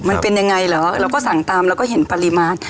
มันเป็นยังไงเหรอเราก็สั่งตามเราก็เห็นปริมาณ